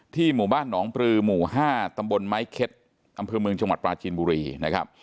หมู่บ้านหนองปลือหมู่๕ตำบลไม้เค็ดอำเภอเมืองจังหวัดปลาจีนบุรีนะครับ